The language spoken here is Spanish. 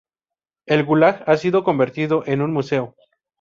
El gulag ha sido convertido en un museo.